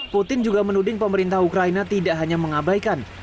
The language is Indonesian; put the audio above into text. putin juga menuding pemerintah ukraina tidak hanya mengabaikan